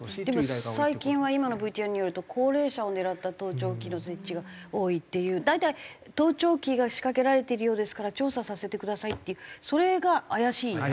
でも最近は今のＶＴＲによると高齢者を狙った盗聴器の設置が多いっていう。大体盗聴器が仕掛けられているようですから調査させてくださいっていうそれが怪しい？